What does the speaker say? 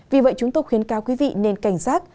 vì vậy chúng tôi khuyến cáo quý vị nên cảnh giác